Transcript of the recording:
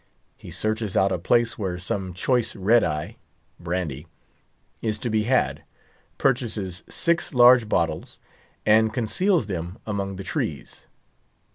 He searches out a place where some choice red eye (brandy) is to be had, purchases six large bottles, and conceals them among the trees.